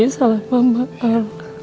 ini salah mama al